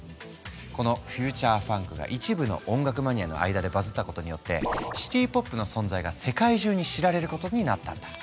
このフューチャーファンクが一部の音楽マニアの間でバズったことによってシティ・ポップの存在が世界中に知られることになったんだ。